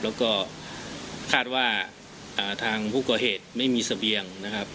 แล้วก็คาดว่าอ่านทางพวกเหตุไม่มีสเบียงนะครับ